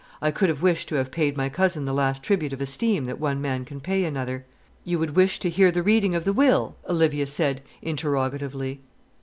I could have wished to have paid my cousin the last tribute of esteem that one man can pay another." "You would wish to hear the reading of the will?" Olivia said, interrogatively.